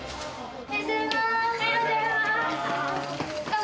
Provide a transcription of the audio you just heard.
おはようございます！